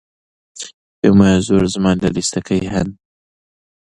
پێم وایە زۆر زمان لە لیستەکەی هەن.